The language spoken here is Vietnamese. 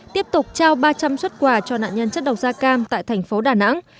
tiếp tục trao ba trăm linh xuất quà cho nạn nhân chất độc da cam tại thành phố đà nẵng